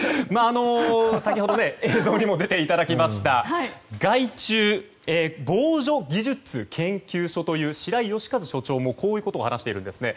先ほど、映像にも出ていただきました害虫防除技術研究所の白井良和所長もこういうことをおっしゃっているんですね。